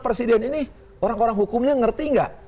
presiden ini orang orang hukumnya ngerti nggak